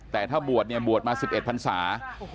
แต่ถ้าบวชเนี่ยบวชมา๑๑พันศา